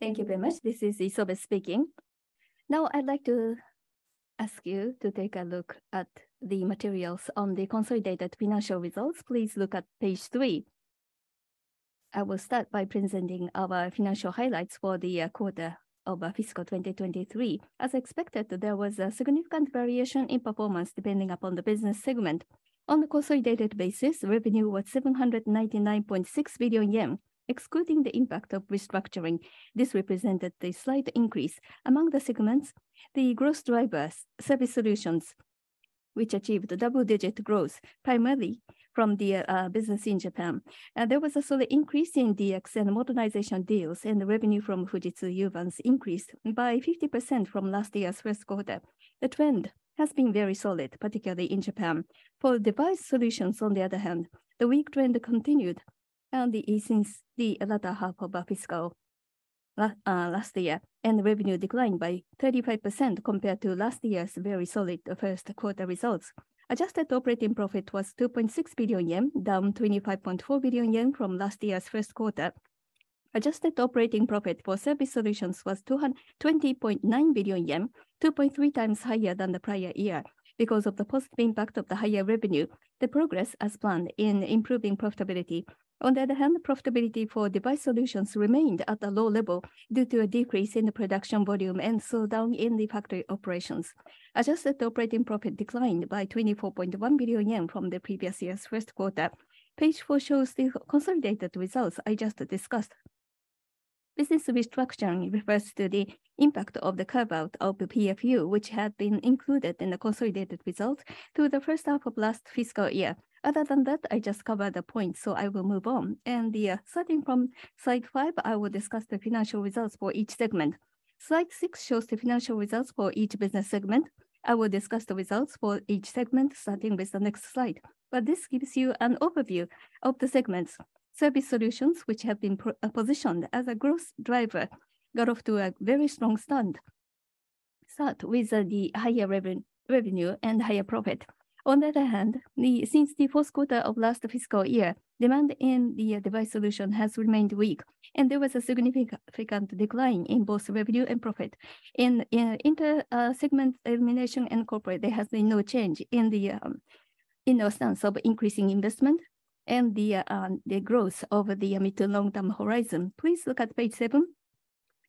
Thank you very much. This is Isobe speaking. Now, I'd like to ask you to take a look at the materials on the consolidated financial results. Please look at page 3. I will start by presenting our financial highlights for the quarter of fiscal 2023. As expected, there was a significant variation in performance depending upon the business segment. On a consolidated basis, revenue was 799.6 billion yen, excluding the impact of restructuring. This represented a slight increase. Among the segments, the growth drivers, Service Solutions, which achieved a double-digit growth, primarily from the business in Japan. There was also an increase in DX and modernization deals, and the revenue from Fujitsu Uvance increased by 50% from last year's first quarter. The trend has been very solid, particularly in Japan. For Device Solutions, on the other hand, the weak trend continued since the latter half of our fiscal last year. Revenue declined by 35% compared to last year's very solid first quarter results. Adjusted operating profit was 2.6 billion yen, down 25.4 billion yen from last year's first quarter. Adjusted operating profit for Service Solutions was 20.9 billion yen, 2.3 times higher than the prior year because of the positive impact of the higher revenue, the progress as planned in improving profitability. Profitability for Device Solutions remained at a low level due to a decrease in the production volume and slowdown in the factory operations. Adjusted operating profit declined by 24.1 billion yen from the previous year's first quarter. Page four shows the consolidated results I just discussed. Business restructuring refers to the impact of the carve-out of the PFU, which had been included in the consolidated results through the first half of last fiscal year. Other than that, I just covered the points. I will move on. Starting from slide 5, I will discuss the financial results for each segment. Slide 6 shows the financial results for each business segment. I will discuss the results for each segment, starting with the next slide. This gives you an overview of the segments. Service Solutions, which have been positioned as a growth driver, got off to a very strong start with the higher revenue and higher profit. On the other hand, since the fourth quarter of last fiscal year, demand in the Device Solutions has remained weak, and there was a significant decline in both revenue and profit. In Intersegment Elimination and Corporate, there has been no change in the in the stance of increasing investment and the the growth over the mid to long-term horizon. Please look at page 7.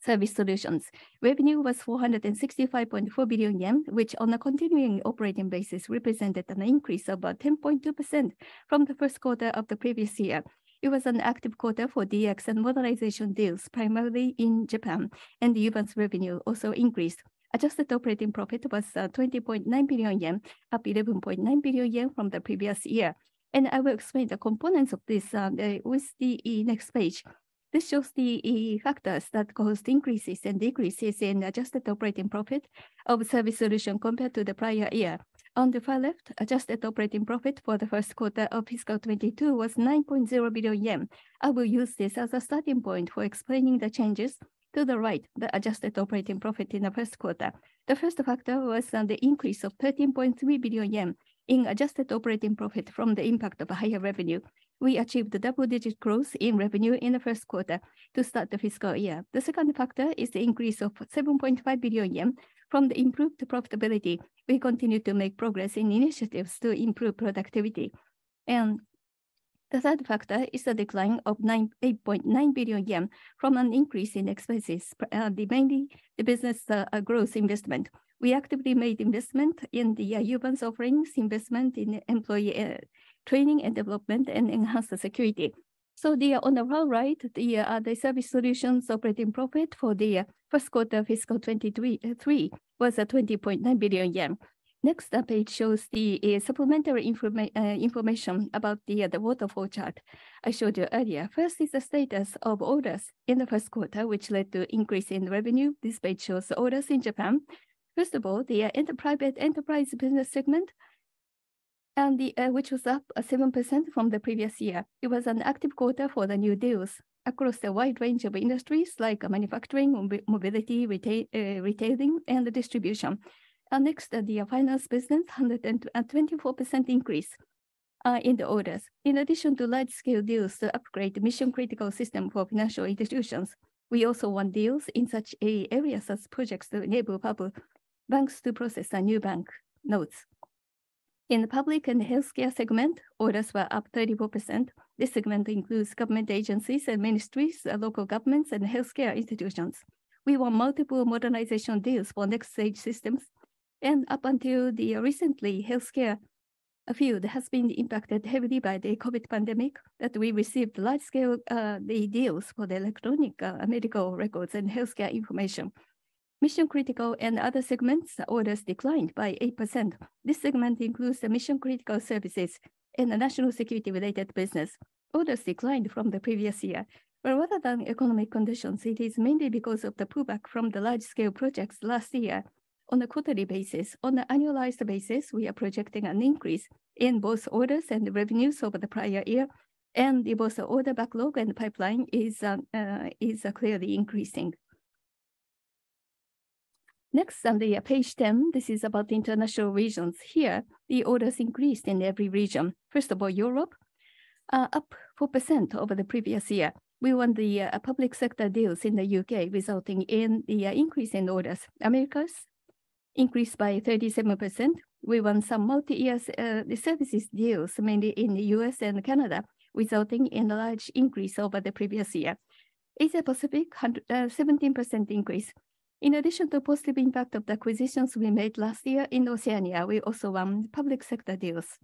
Service Solutions. Revenue was 465.4 billion yen, which on a continuing operating basis, represented an increase of about 10.2% from the first quarter of the previous year. It was an active quarter for DX and modernization deals, primarily in Japan, and the Uvance revenue also increased. Adjusted operating profit was 20.9 billion yen, up 11.9 billion yen from the previous year. I will explain the components of this with the next page. This shows the factors that caused increases and decreases in adjusted operating profit of Service Solutions compared to the prior year. On the far left, adjusted operating profit for the first quarter of fiscal 22 was 9.0 billion yen. I will use this as a starting point for explaining the changes to the right, the adjusted operating profit in the first quarter. The first factor was the increase of 13.3 billion yen in adjusted operating profit from the impact of a higher revenue. We achieved a double-digit growth in revenue in the first quarter to start the fiscal year. The second factor is the increase of 7.5 billion yen from the improved profitability. We continue to make progress in initiatives to improve productivity. The third factor is the decline of 8.9 billion yen from an increase in expenses, mainly the business growth investment. We actively made investment in the Uvance offerings, investment in employee training and development, and enhanced the security. The on the lower right, the Service Solutions operating profit for the first quarter of fiscal 2023 was 20.9 billion yen. Next page shows the supplementary information about the waterfall chart I showed you earlier. First is the status of orders in the first quarter, which led to increase in revenue. This page shows the orders in Japan. First of all, the inter private enterprise business segment and the, which was up 7% from the previous year. It was an active quarter for the new deals across a wide range of industries like manufacturing, mobility, retailing, and distribution. Next, the finance business, a 124% increase in the orders. In addition to large-scale deals to upgrade the mission-critical system for financial institutions, we also won deals in such areas as projects to enable public banks to process the new bank notes. In the public and healthcare segment, orders were up 34%. This segment includes government agencies and ministries, local governments, and healthcare institutions. Up until the recently, healthcare field has been impacted heavily by the COVID pandemic, that we received large-scale deals for the electronic medical records and healthcare information. Mission-critical and other segments, orders declined by 8%. This segment includes the mission-critical services in the national security-related business. Rather than economic conditions, it is mainly because of the pullback from the large-scale projects last year on a quarterly basis. On an annualized basis, we are projecting an increase in both orders and revenues over the prior year. Both the order backlog and the pipeline is clearly increasing. Next on the page 10, this is about the international regions. Here, the orders increased in every region. First of all, Europe, up 4% over the previous year. We won the public sector deals in the U.K., resulting in the increase in orders. Americas increased by 37%. We won some multi-years services deals, mainly in the U.S. and Canada, resulting in a large increase over the previous year. Asia-Pacific, 117% increase. In addition to positive impact of the acquisitions we made last year in Oceania, we also won public sector deals.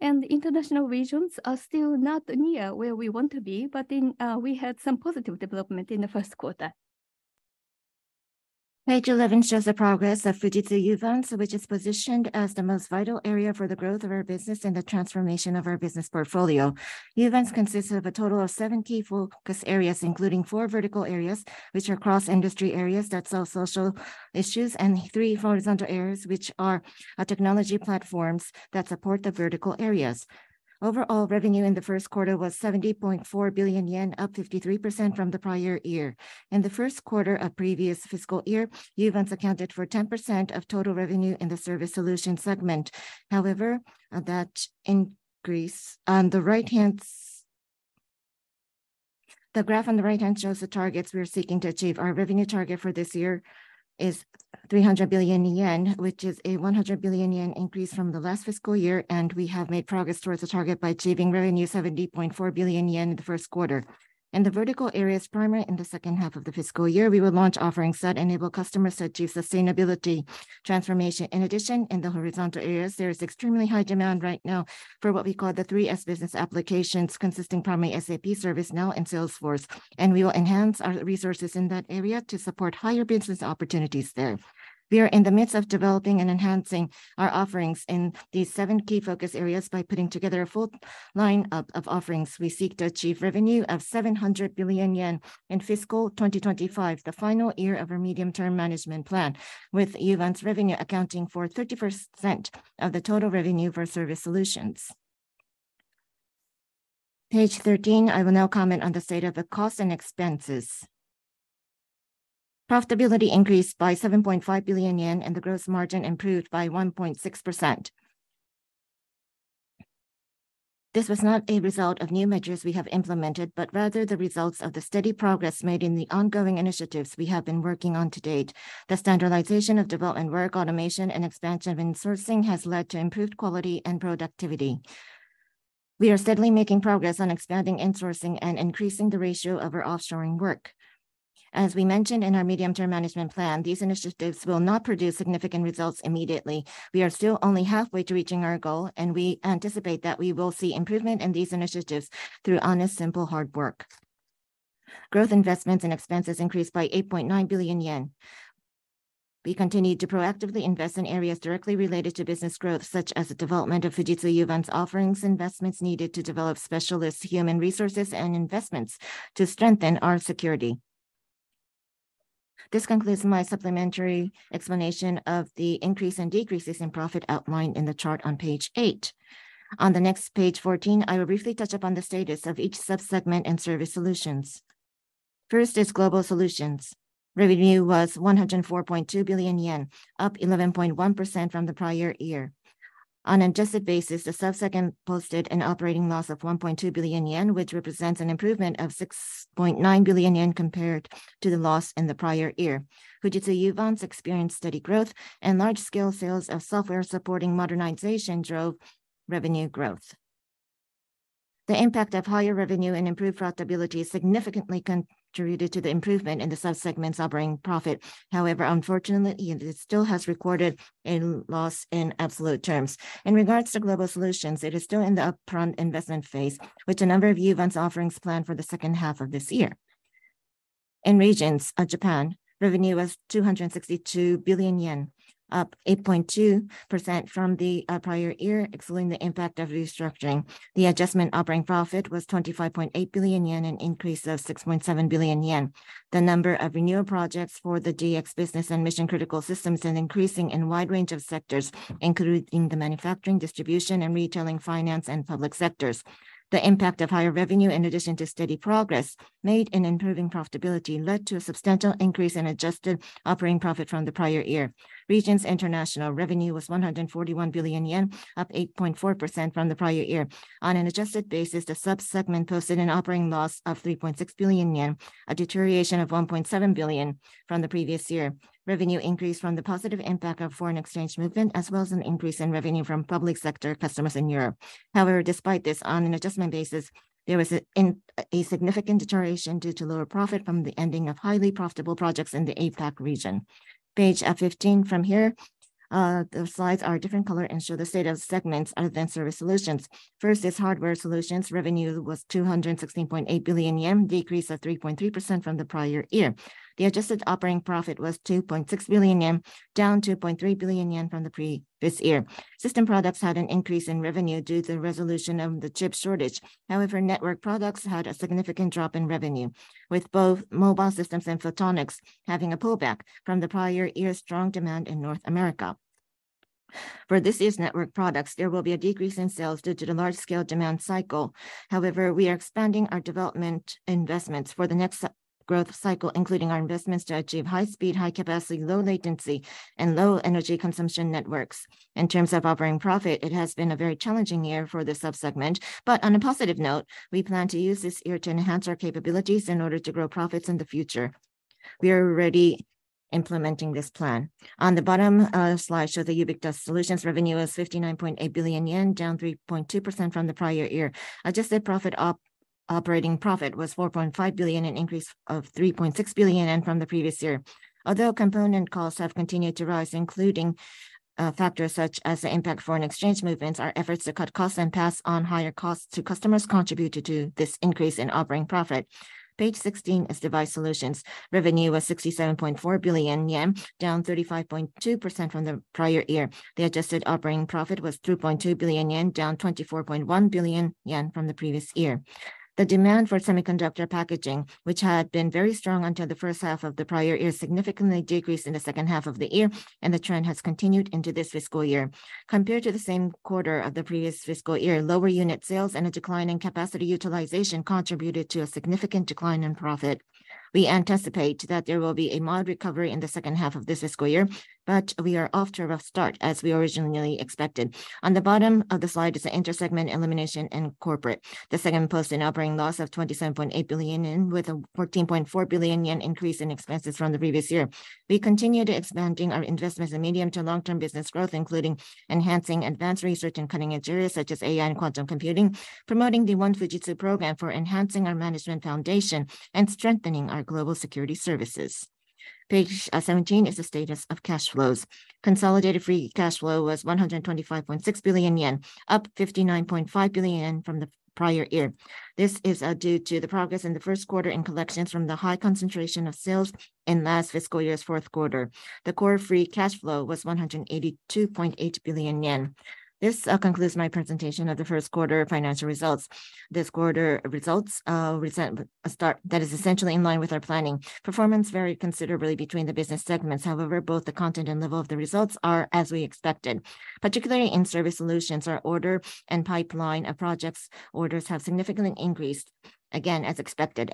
The international regions are still not near where we want to be, but we had some positive development in the first quarter. Page 11 shows the progress of Fujitsu Uvance, which is positioned as the most vital area for the growth of our business and the transformation of our business portfolio. Uvance consists of a total of 7 key focus areas, including 4 vertical areas, which are cross-industry areas that solve social issues, and 3 horizontal areas, which are technology platforms that support the vertical areas. Overall, revenue in the first quarter was 70.4 billion yen, up 53% from the prior year. In the first quarter of previous fiscal year, Uvance accounted for 10% of total revenue in the Service Solutions segment. That increase on the graph on the right-hand shows the targets we are seeking to achieve. Our revenue target for this year is 300 billion yen, which is a 100 billion yen increase from the last fiscal year, and we have made progress towards the target by achieving revenue 70.4 billion yen in the first quarter. In the vertical areas, primary in the second half of the fiscal year, we will launch offerings that enable customers to achieve Sustainability Transformation. In addition, in the horizontal areas, there is extremely high demand right now for what we call the three S business applications, consisting primarily SAP, ServiceNow, and Salesforce, and we will enhance our resources in that area to support higher business opportunities there. We are in the midst of developing and enhancing our offerings in these seven key focus areas by putting together a full lineup of offerings. We seek to achieve revenue of 700 billion yen in fiscal 2025, the final year of our medium-term management plan, with Uvance revenue accounting for 30% of the total revenue for Service Solutions. Page 13, I will now comment on the state of the cost and expenses. Profitability increased by 7.5 billion yen, and the gross margin improved by 1.6%. This was not a result of new measures we have implemented, but rather the results of the steady progress made in the ongoing initiatives we have been working on to date. The standardization of development work, automation, and expansion of insourcing has led to improved quality and productivity. We are steadily making progress on expanding insourcing and increasing the ratio of our offshoring work. As we mentioned in our medium-term management plan, these initiatives will not produce significant results immediately. We are still only halfway to reaching our goal, and we anticipate that we will see improvement in these initiatives through honest, simple, hard work. Growth investments and expenses increased by 8.9 billion yen. We continued to proactively invest in areas directly related to business growth, such as the development of Fujitsu Uvance offerings, investments needed to develop specialist human resources, and investments to strengthen our security. This concludes my supplementary explanation of the increase and decreases in profit outlined in the chart on page 8. On the next page, 14, I will briefly touch upon the status of each sub-segment and Service Solutions. First is Global Solutions. Revenue was 104.2 billion yen, up 11.1% from the prior year. On adjusted basis, the sub-segment posted an operating loss of 1.2 billion yen, which represents an improvement of 6.9 billion yen compared to the loss in the prior year. Fujitsu Uvance experienced steady growth, large-scale sales of software supporting modernization drove revenue growth. The impact of higher revenue and improved profitability significantly contributed to the improvement in the sub-segment's operating profit. Unfortunately, it still has recorded a loss in absolute terms. In regards to Global Solutions, it is still in the upfront investment phase, with a number of Uvance offerings planned for the second half of this year. In Regions (Japan), revenue was 262 billion yen, up 8.2% from the prior year, excluding the impact of restructuring. The adjusted operating profit was 25.8 billion yen, an increase of 6.7 billion yen. The number of renewal projects for the DX business and mission-critical systems are increasing in wide range of sectors, including the manufacturing, distribution, and retailing, finance, and public sectors. The impact of higher revenue, in addition to steady progress made in improving profitability, led to a substantial increase in adjusted operating profit from the prior year. Regions International revenue was 141 billion yen, up 8.4% from the prior year. On an adjusted basis, the sub-segment posted an operating loss of 3.6 billion yen, a deterioration of 1.7 billion from the previous year. Revenue increased from the positive impact of foreign exchange movement, as well as an increase in revenue from public sector customers in Europe. Despite this, on an adjustment basis, there was a significant deterioration due to lower profit from the ending of highly profitable projects in the APAC region. Page 15. From here, the slides are a different color and show the state of segments other than Service Solutions. First is Hardware Solutions. Revenue was 216.8 billion yen, decrease of 3.3% from the prior year. The adjusted operating profit was 2.6 billion yen, down 2.3 billion yen from this year. System products had an increase in revenue due to the resolution of the chip shortage. Network products had a significant drop in revenue, with both mobile systems and photonics having a pullback from the prior year's strong demand in North America. For this year's network products, there will be a decrease in sales due to the large scale demand cycle. We are expanding our development investments for the next growth cycle, including our investments to achieve high speed, high capacity, low latency, and low energy consumption networks. In terms of operating profit, it has been a very challenging year for this sub-segment, but on a positive note, we plan to use this year to enhance our capabilities in order to grow profits in the future. We are already implementing this plan. On the bottom slide show the Ubiquitous Solutions revenue was 59.8 billion yen, down 3.2% from the prior year. Adjusted operating profit was 4.5 billion, an increase of 3.6 billion from the previous year. Although component costs have continued to rise, including factors such as the impact foreign exchange movements, our efforts to cut costs and pass on higher costs to customers contributed to this increase in operating profit. Page 16 is Device Solutions. Revenue was 67.4 billion yen, down 35.2% from the prior year. The adjusted operating profit was 2.2 billion yen, down 24.1 billion yen from the previous year. The demand for Semiconductor packaging, which had been very strong until the first half of the prior year, significantly decreased in the second half of the year, and the trend has continued into this fiscal year. Compared to the same quarter of the previous fiscal year, lower unit sales and a decline in capacity utilization contributed to a significant decline in profit. We anticipate that there will be a mild recovery in the second half of this fiscal year, but we are off to a rough start, as we originally expected. On the bottom of the slide is the Inter-segment Elimination and Corporate. The segment posted an operating loss of 27.8 billion yen, with a 14.4 billion yen increase in expenses from the previous year. We continue to expanding our investments in medium to long-term business growth, including enhancing advanced research in cutting-edge areas such as AI and quantum computing, promoting the One Fujitsu program for enhancing our management foundation, and strengthening our global security services. Page 17 is the status of cash flows. Consolidated free cash flow was 125.6 billion yen, up 59.5 billion yen from the prior year. This is due to the progress in the first quarter in collections from the high concentration of sales in last fiscal year's fourth quarter. The core free cash flow was 182.8 billion yen. This concludes my presentation of the first quarter financial results. This quarter results resent a start that is essentially in line with our planning. Performance varied considerably between the business segments. However, both the content and level of the results are as we expected. Particularly in Service Solutions, our order and pipeline of projects orders have significantly increased, again, as expected.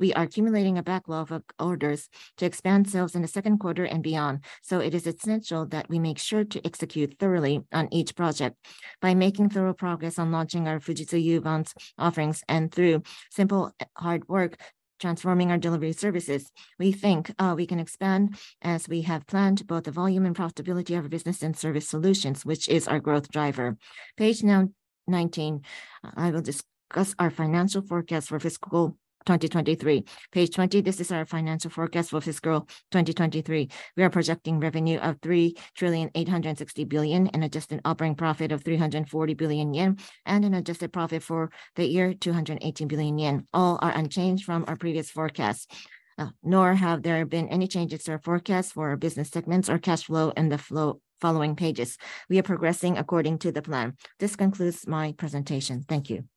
We are accumulating a backlog of orders to expand sales in the 2Q and beyond, it is essential that we make sure to execute thoroughly on each project. By making thorough progress on launching our Fujitsu Uvance offerings and through simple, hard work, transforming our delivery services, we think we can expand as we have planned, both the volume and profitability of our business in Service Solutions, which is our growth driver. Page 19, I will discuss our financial forecast for fiscal 2023. Page 20, this is our financial forecast for fiscal 2023. We are projecting revenue of 3,860 billion and adjusted operating profit of 340 billion yen, and an adjusted profit for the year, 218 billion yen. All are unchanged from our previous forecast, nor have there been any changes to our forecast for our business segments or cash flow in the following pages. We are progressing according to the plan. This concludes my presentation. Thank you.